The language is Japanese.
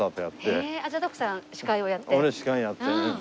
俺司会やってね。